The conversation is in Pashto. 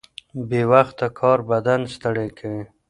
بې وخته کار بدن ستړی کوي.